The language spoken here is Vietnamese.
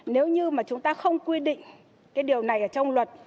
nếu như mà chúng ta không quy định cái điều này ở trong luật